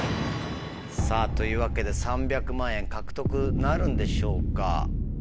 ＬＯＣＫ！というわけで３００万円獲得なるんでしょうか？